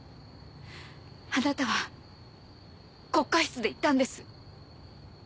あなたは告解室で言ったんです。